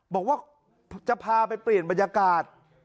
บอกว่าจะพาไปเปลี่ยนบรรยากาศ